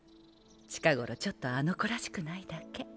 近頃ちょっとあの子らしくないだけ。